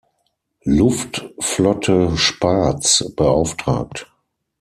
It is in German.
Luftflotte Spaatz beauftragt.